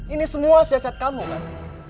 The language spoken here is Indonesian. ini semua syasat kamu kan